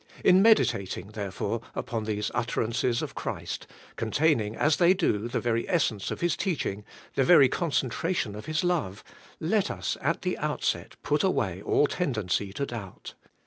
In meditating, therefore, upon these utter ances of Christ, containing as they do the very essence of His teaching, the very concentration of His love, let us, at the outset, put away all tende7icy to doubt.